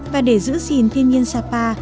và để giữ gìn thiên nhiên sapa